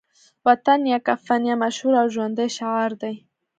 وطن یا کفن يو مشهور او ژوندی شعار دی